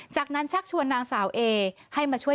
จากนั้นชักชวนนางสาวเอให้มาช่วย